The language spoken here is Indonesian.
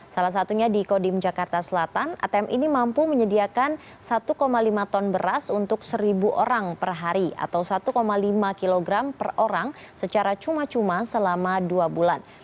salah satunya di kodim jakarta selatan atm ini mampu menyediakan satu lima ton beras untuk seribu orang per hari atau satu lima kg per orang secara cuma cuma selama dua bulan